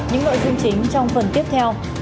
những nội dung chính trong phần tiếp theo